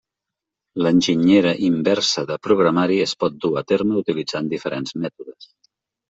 L'enginyera inversa de programari es pot dur a terme utilitzant diferents mètodes.